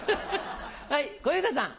はい小遊三さん。